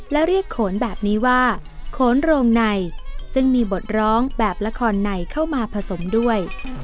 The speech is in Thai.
และเรียกโขนแบบนี้ว่าโขนโรงในซึ่งมีบทร้องแบบละครในเข้ามาผสมด้วย